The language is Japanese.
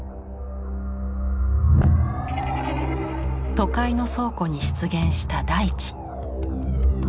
都会の倉庫に出現した大地。